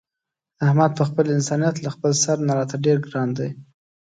احمد په خپل انسانیت له خپل سر نه راته ډېر ګران دی.